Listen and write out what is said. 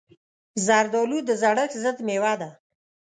زردالو د زړښت ضد مېوه ده.